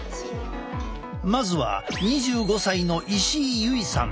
まずは２５歳の石井優衣さん。